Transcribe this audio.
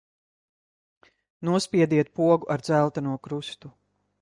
Nospiediet pogu ar dzelteno krustu.